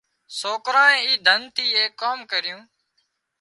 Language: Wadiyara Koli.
سوڪرانئي اي ڌن ٿي ايڪ ڪام ڪريون